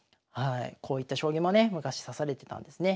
こういった将棋もね昔指されてたんですね。